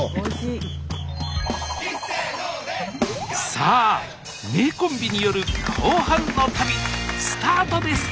さあ名コンビによる後半の旅スタートです！